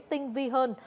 tinh vi hơn